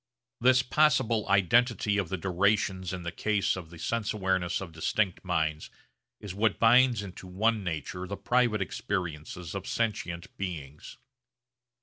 This possible identity of the durations in the case of the sense awareness of distinct minds is what binds into one nature the private experiences of sentient beings.